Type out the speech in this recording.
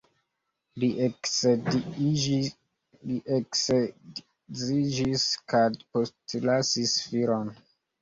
Li eksedziĝis kaj postlasis filon.